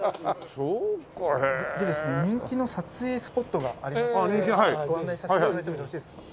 人気の撮影スポットがありますのでご案内させて頂いてもよろしいですか？